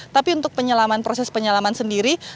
tapi untuk penyelaman proses penyelaman sendiri